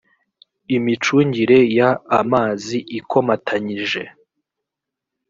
imicungire y amazi ikomatanyije